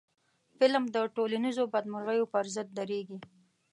فلم د ټولنیزو بدمرغیو پر ضد درېږي